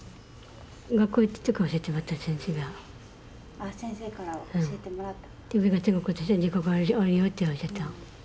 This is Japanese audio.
あっ先生から教えてもらった。